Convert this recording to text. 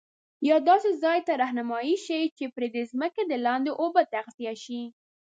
یا داسي ځاي ته رهنمایی شي چي پري د ځمکي دلاندي اوبه تغذیه شي